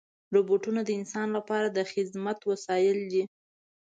روبوټونه د انسان لپاره د خدمت وسایل دي.